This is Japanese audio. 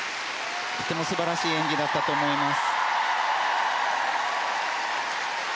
とても素晴らしい演技だったと思います。